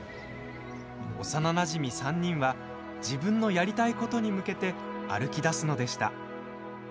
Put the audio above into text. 幼なじみ３人は自分のやりたいことに向けて歩きだすのでした。